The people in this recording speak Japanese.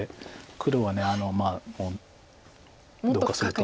黒はどうかすると。